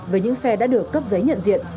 với những xe đã được cấp giấy nhận diện